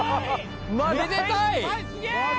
めでたい！